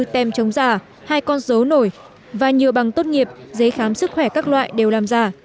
một trăm bảy mươi bốn tem chống giả hai con dấu nổi và nhiều bằng tốt nghiệp giấy khám sức khỏe các loại đều làm giả